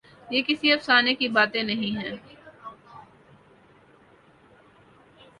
یہ کسی افسانے کی باتیں نہیں ہیں۔